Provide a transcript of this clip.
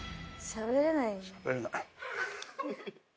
しゃべれない。